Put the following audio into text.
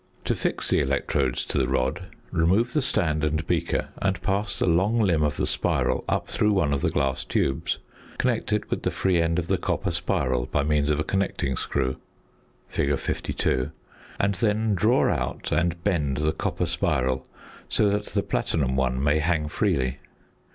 To fix the electrodes to the rod, remove the stand and beaker and pass the long limb of the spiral up through one of the glass tubes. Connect it with the free end of the copper spiral by means of a connecting screw (fig. 52), and then draw out and bend the copper spiral so that the platinum one may hang freely.